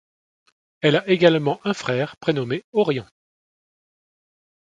Elle a également un frère prénommé Orian.